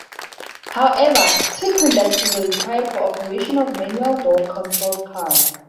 However, two conductors were required for ooperation of manual door controlled cars.